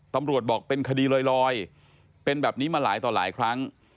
ตำรวจบอกเป็นคดีลอยเป็นแบบนี้มาหลายต่อหลายครั้ง